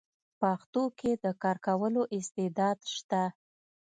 پښتو کې د کار کولو استعداد شته: